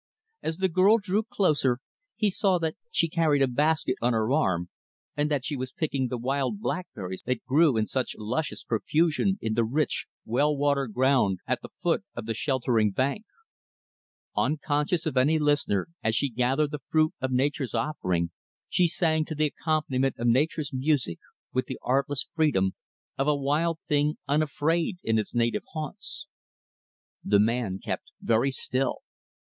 As the girl drew closer, he saw that she carried a basket on her arm, and that she was picking the wild blackberries that grew in such luscious profusion in the rich, well watered ground at the foot of the sheltering bank. Unconscious of any listener, as she gathered the fruit of Nature's offering, she sang to the accompaniment of Nature's music, with the artless freedom of a wild thing unafraid in its native haunts. The man kept very still.